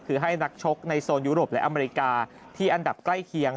คือให้นักชกในโซนยุโรปและอเมริกาที่อันดับใกล้เคียง